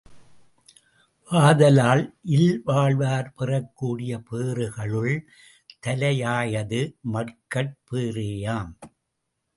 ஆதலால் இல்வாழ்வார் பெறக்கூடிய பேறுகளுள் தலையாயது மக்கட்பேறேயாம்.